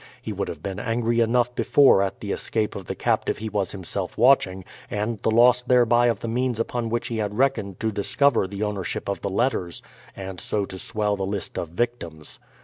He would have been angry enough before at the escape of the captive he was himself watching, and the loss thereby of the means upon which he had reckoned to discover the ownership of the letters, and so to swell the list of victims.